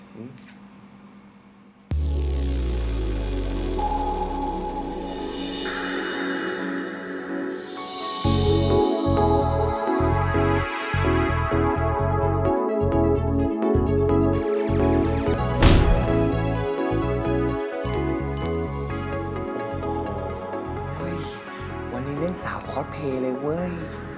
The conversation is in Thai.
โฮ้โหโฮ้โฮ้วันนี้เล่นสาวคอร์สเพย์เลยเว้ย